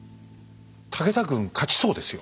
武田軍勝ちそうですよ。